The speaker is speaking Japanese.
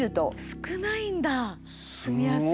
少ないんだ住みやすい場所が。